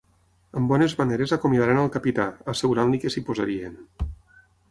Amb bones maneres acomiadaren al capità, assegurant-li que s'hi posarien.